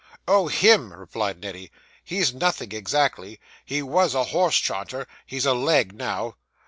'Oh, him!' replied Neddy; 'he's nothing exactly. He _was _a horse chaunter: he's a leg now.